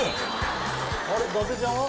あれ伊達ちゃんは？